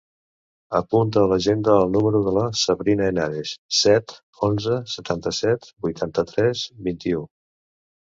Apunta a l'agenda el número de la Sabrina Henares: set, onze, setanta-set, vuitanta-tres, vint-i-u.